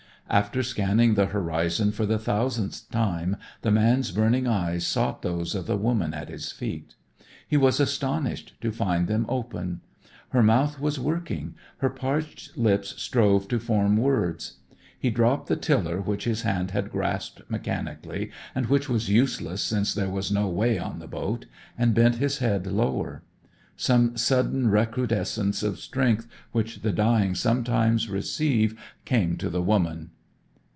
After scanning the horizon for the thousandth time the man's burning eyes sought those of the woman at his feet. He was astonished to find them open. Her mouth was working, her parched lips strove to form words. He dropped the tiller which his hand had grasped mechanically, and which was useless since there was no way on the boat, and bent his head lower. Some sudden recrudescence of strength which the dying sometimes receive came to the woman.